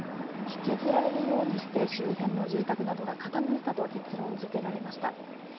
引きずられるようにして周辺の住宅などが傾いたと結論付けられました。